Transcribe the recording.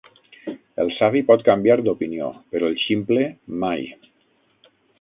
El savi pot canviar d'opinió, però el ximple, mai